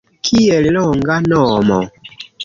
Kiel longa nomo